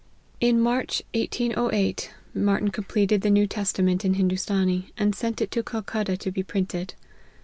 In March, 1808, Martyn completed the New Testament in Hindoostanee, and sent it to Calcutta to be printed.